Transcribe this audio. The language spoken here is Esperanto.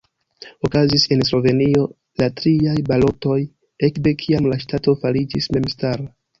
Okazis en Slovenio la triaj balotoj, ekde kiam la ŝtato fariĝis memstara.